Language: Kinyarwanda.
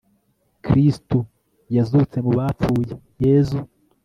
kristu yazutse mu bapfuye, yezu